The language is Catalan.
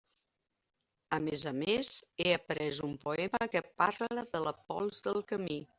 A més a més, he aprés un poema que parla de la pols del camí.